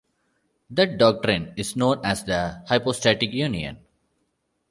That doctrine is known as the Hypostatic union.